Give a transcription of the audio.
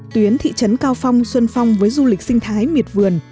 tuyến thị trấn cao phong xuân phong với du lịch sinh thái miệt vườn